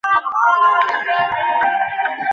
আবার ভারতকে পৃথিবী জয় করিতে হইবে।